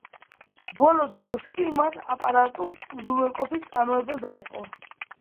ბოლო დროს კი, მან აპარატულ უზრუნველყოფის წარმოებაც დაიწყო.